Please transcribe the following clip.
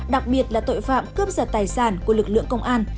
đặc biệt là tội phạm cướp giật tài sản của lực lượng công an